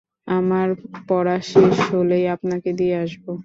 আমার পড়া শেষ হলেই আপনাকে দিয়ে আসব।